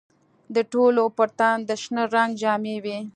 د ټولو پر تن د شنه رنګ جامې وې.